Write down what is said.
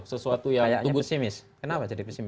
kayaknya pesimis kenapa jadi pesimis